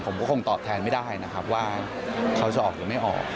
ผมก็คงตอบแทนไม่ได้นะครับว่าเขาจะออกหรือไม่ออก